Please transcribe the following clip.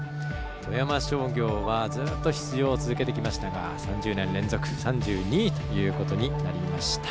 富山商業はずっと出場を続けてきましたが３０年連続３２位となりました。